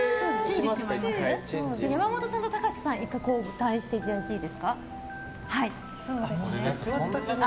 山本さんと高瀬さん１回交代していただいていいですか。